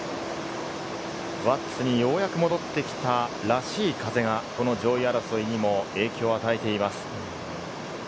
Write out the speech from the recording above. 輪厚にようやく戻ってきた、らしい風が上位争いにも影響を与えています。